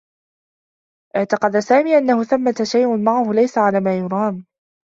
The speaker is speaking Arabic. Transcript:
اعتقد سامي أنّه ثمّة شيء معه ليس على ما يرام.